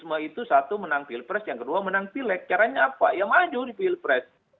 itu satu menang pilpres yang kedua menang pilek caranya apa ya maju di pilpres